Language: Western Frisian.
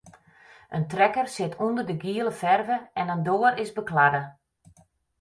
In trekker sit ûnder de giele ferve en in doar is bekladde.